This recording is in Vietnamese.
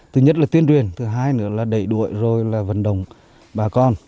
thứ nhất là tuyên truyền thứ hai nữa là đẩy đuổi rồi là vận động bà con